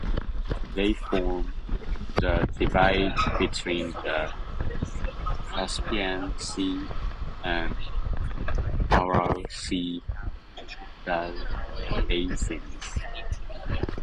They form the divide between the Caspian Sea and Aral Sea basins.